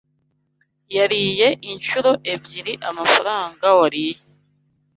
Yariye inshuro ebyiri amafaranga wariye.